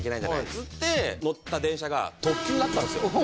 っつって乗った電車が特急だったんですよ